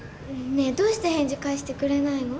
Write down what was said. ねえどうして返事返してくれないの？